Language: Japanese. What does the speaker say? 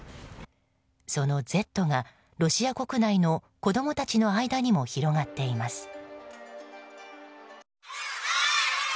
その「Ｚ」がロシア国内の子供たちの間にも広がっています。